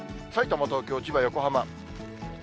さいたま、東京、千葉、横浜。